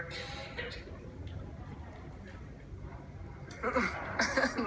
งง